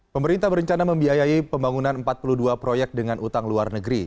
pemerintah berencana membiayai pembangunan empat puluh dua proyek dengan utang luar negeri